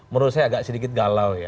menurut saya agak sedikit galau ya